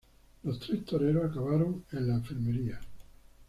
Los tres toreros acabaron en la enfermería.